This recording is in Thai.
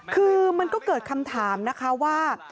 คือมันก็เกิดคำถามนะคะว่า